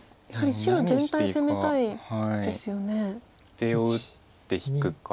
出を打って引くか。